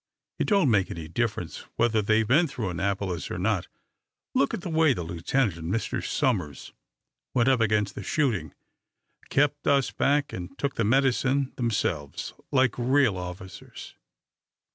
"It don't make any difference whether they've been through Annapolis or not. Look at the way the lieutenant and Mr. Somers went up against the shooting. Kept us back, and took the medicine themselves, like real officers."